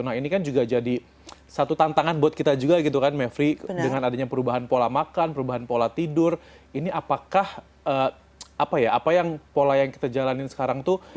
nah ini kan juga jadi satu tantangan buat kita juga gitu kan mevri dengan adanya perubahan pola makan perubahan pola tidur ini apakah apa ya apa yang pola yang kita jalanin sekarang tuh